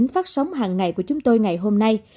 phát sóng hàng ngày của chúng tôi ngày hôm nay